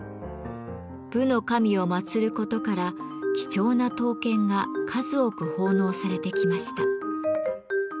武の神を祭ることから貴重な刀剣が数多く奉納されてきました。